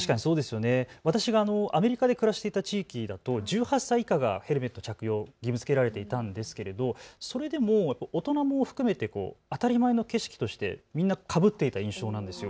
私がアメリカで暮らしていた地域では１８歳以下がヘルメット装着を義務づけられていたんですが、大人も含めて当たり前の景色としてみんなかぶっていた印象でした。